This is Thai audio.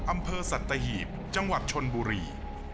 อำเภอสัตหีบจังหวัดชนบุรี